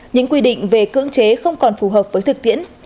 những quy định về cưỡng chế không còn phù hợp với thực tiễn